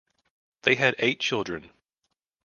They have eight children.